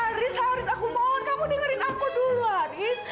haris harus aku mohon kamu dengerin aku dulu haris